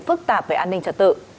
phức tạp về an ninh trật tự